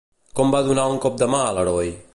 Com va donar un cop de mà a l'heroi?